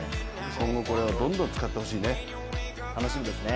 今後これはどんどん使ってほしいですね。